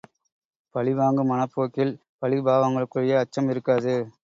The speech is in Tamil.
பழிவாங்கும் மனப்போக்கில் பழி பாவங்களுக்குரிய அச்சம் இருக்காது.